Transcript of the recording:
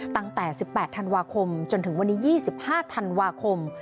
ตั้งแต่๑๘ธันวาคมจนถึงวันนี้๒๕ธันวาคม